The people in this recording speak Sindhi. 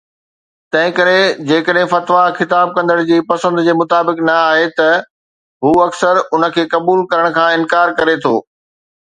تنهن ڪري، جيڪڏهن فتوي خطاب ڪندڙ جي پسند جي مطابق نه آهي، ته هو اڪثر ان کي قبول ڪرڻ کان انڪار ڪري ٿو